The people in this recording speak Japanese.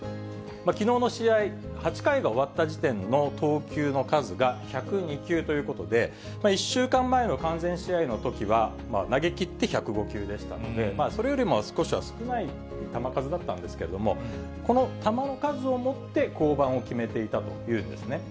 きのうの試合、８回が終わった時点の投球の数が１０２球ということで、１週間前の完全試合のときは投げ切って１０５球でしたので、それよりも少しは少ない球数だったんですけれども、この球の数をもって、降板を決めていたというんですね。